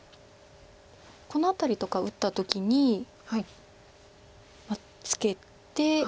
この辺りとか打った時にまあツケて。